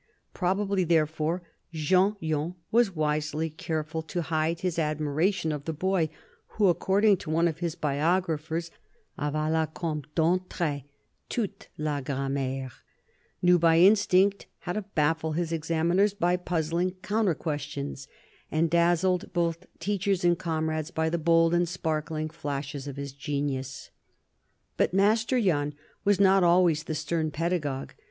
Probably, therefore, Jean Yon was wisely careful to hide his admiration of the boy. EARLY YEARS 19 who, according to one of his biographers, " avala comme d'un trait toute la grammaire," knew by instinct how to baffle his examiners by puzzling counter questions, and dazzled both teachers and comrades by the bold and sparkling flashes of his genius. But Master Yon was not always the stern pedagogue.